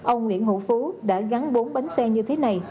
ông nguyễn hữu phú đã gắn bốn bánh xe như thế này